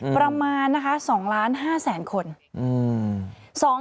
ประมาณ๒๕ล้านคน